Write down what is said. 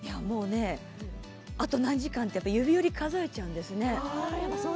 あと何時間って指折り数えちゃうんですよね。